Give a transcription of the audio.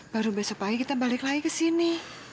baru besok pagi kita balik lagi ke sini